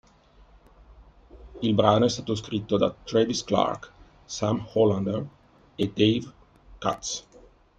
Il brano è stato scritto da Travis Clark, Sam Hollander e Dave Katz.